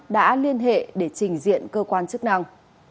đã liên hệ để trình diện cơ quan chức năng